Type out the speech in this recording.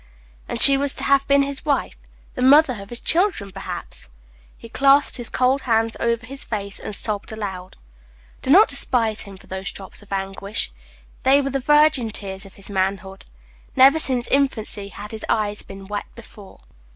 And she was to have been his wife the mother of his children perhaps. He clasped his cold hands over his face, and sobbed aloud. Do not despise him for those drops of anguish: they were the virgin tears of his manhood. Never since infancy had his eyes been wet before.